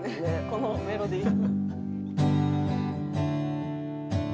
このメロディー。